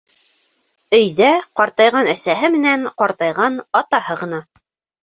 Өйҙә ҡартайған әсәһе менән ҡартайған атаһы ғына.